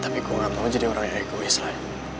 tapi gue gak mau jadi orang yang egois lah